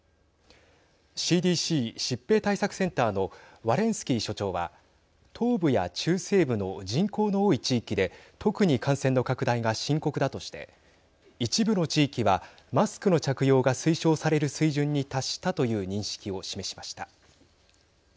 ＣＤＣ＝疾病対策センターのワレンスキー所長は東部や中西部の人口の多い地域で特に感染の拡大が深刻だとして一部の地域はマスクの着用が推奨される水準に達したという認識を示しました。